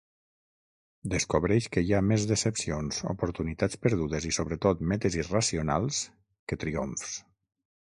Descobreix que hi ha més decepcions, oportunitats perdudes i sobretot metes irracionals, que triomfs.